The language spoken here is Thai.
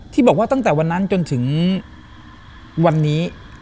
ที่บอกว่าตั้งแต่วันนั้นจนถึงวันนี้